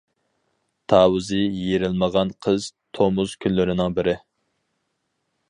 تاۋۇزى يېرىلمىغان قىز تومۇز كۈنلىرىنىڭ بىرى.